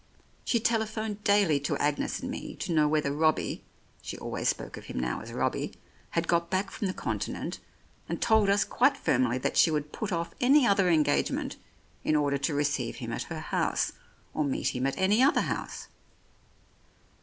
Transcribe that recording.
She tele phoned daily to Agnes and me to know whether Robbie — she always spoke of him now as Robbie had got back from the Continent, and told us quite firmly that she would put off any other engagement in order to receive him at her house, or meet him at any other house.